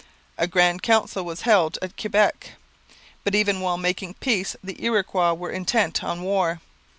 A grand council was held at Quebec. But even while making peace the Iroquois were intent on war.